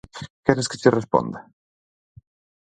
Queres que che responda?